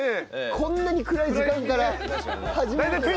こんなに暗い時間から始める。